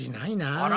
あら！